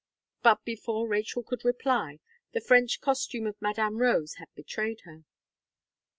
But, before Rachel could reply, the French costume of Madame Rose had betrayed her.